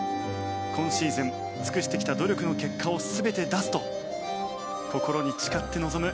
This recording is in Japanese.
今シーズン尽くしてきた努力の結果を全て出すと心に誓って臨む